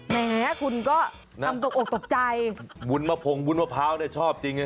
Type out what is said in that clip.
ไม่ไงนะคุณก็น่ะทำตกตกใจวุ่นมะพงวุ่นมะพร้าวเนี่ยชอบจริง